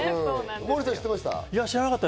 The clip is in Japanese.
モーリーさん、知ってました？